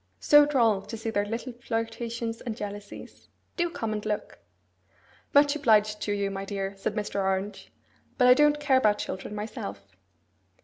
'So droll to see their little flirtations and jealousies! Do come and look!' 'Much obliged to you, my dear,' said Mr. Orange; 'but I don't care about children myself.